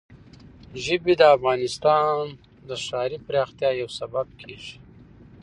ژبې د افغانستان د ښاري پراختیا یو سبب کېږي.